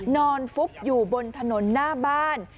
ฟุบอยู่บนถนนหน้าบ้าน